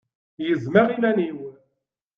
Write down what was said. Gezmeɣ iman-iw.